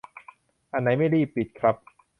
อันไหนไม่รีบ ปิด ครับ